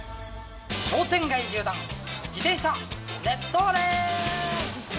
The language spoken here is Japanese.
商店街縦断自転車熱湯レース。